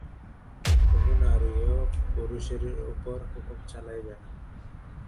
কোন নারীও পুরুষের উপর হুকুম চালাইবে না।